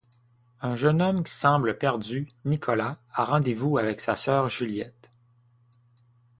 Un jeune homme qui semble perdu, Nicolas, a rendez-vous avec sa sœur Juliette.